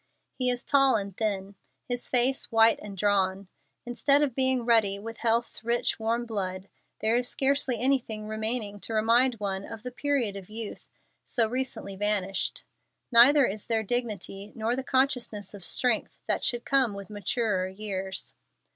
He is tall and thin. His face is white and drawn, instead of being ruddy with health's rich, warm blood. There is scarcely anything remaining to remind one of the period of youth, so recently vanished; neither is there the dignity, nor the consciousness of strength, that should come with maturer years.